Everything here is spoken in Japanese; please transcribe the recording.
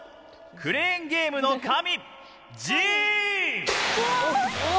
クレーンゲームの神、ＪＩＮ！